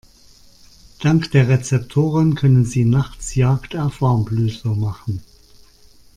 Dank der Rezeptoren können sie nachts Jagd auf Warmblüter machen.